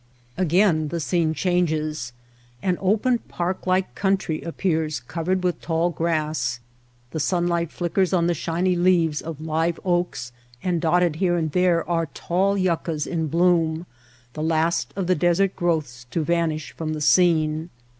Again the scene changes. An open park like country appears covered with tall grass, the sunlight flickers on the shiny leaves of live oaks, and dotted here and there are tall yuccas in bloom — the last of the desert growths to vanish from the scene.